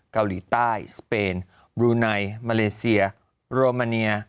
เกาหลีใต้สเปนบลูไนมาเลเซียโรมาเนีย